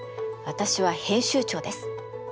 私は編集長です。